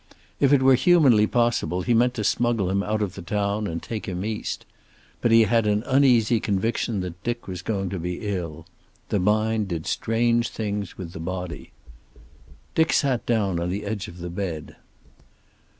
If it were humanly possible he meant to smuggle him out of the town and take him East. But he had an uneasy conviction that Dick was going to be ill. The mind did strange things with the body. Dick sat down on the edge of the bed.